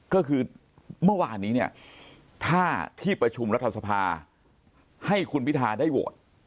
ก็คือเมื่อวานนี้เนี่ยถ้าที่ประชุมรัฐสภาให้คุณพิทาได้โหวต